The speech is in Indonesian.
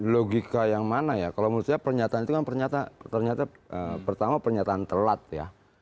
logika yang mana ya kalau menurut saya pernyataan itu kan ternyata pertama pernyataan telat ya